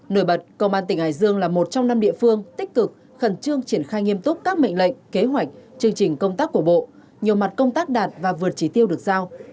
nổi bật công an tỉnh hải dương là một trong năm địa phương tích cực khẩn trương triển khai nghiêm túc các mệnh lệnh kế hoạch chương trình công tác của bộ nhiều mặt công tác đạt và vượt trí tiêu được giao